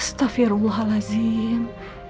apa yang dilarang kenapa malah dilakuin